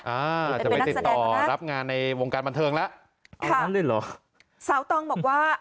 อ่าจะไปติดต่อรับงานในวงการบรรเทิงแล้วค่ะสาวตองบอกว่า